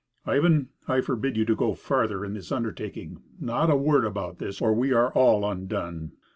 "Ivan, I forbid you to go farther in this undertaking. Not a word about this, or we are all undone.